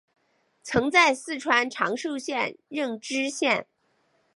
曾在四川长寿县任知县。